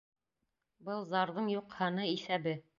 Был зарҙың юҡ һаны, иҫәбе.